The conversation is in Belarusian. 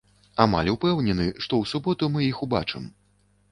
Амаль упэўнены, што у суботу мы іх убачым.